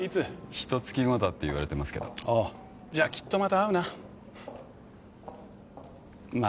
ひと月後だって言われてますけどおっじゃあきっとまた会うなま